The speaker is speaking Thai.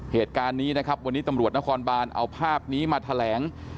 เหตุการณ์นี้นะครับวันนี้ตำรวจนครบานเอาภาพนี้มาแถลง